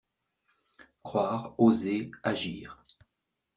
Croire, oser, agir